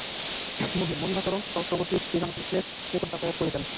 মহিম, মহিমাচরণ চক্রবর্তী শ্রীরামকৃষ্ণের নিকট যাতায়াত করিতেন।